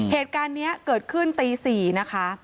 เหตุการณ์นี้เกิดขึ้นตี๔นะคะ